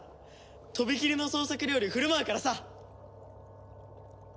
とびきりの創作料理振る舞うからさ！